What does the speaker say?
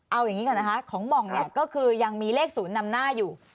เอาอย่างนี้ก่อนนะคะของหม่องเนี่ยก็คือยังมีเลข๐นำหน้าอยู่